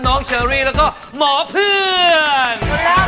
เชอรี่แล้วก็หมอเพื่อน